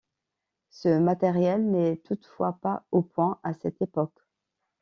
Ce matériel n'est toutefois pas au point à cette époque.